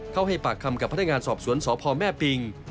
ให้ปากคำกับพนักงานสอบสวนสพแม่ปิง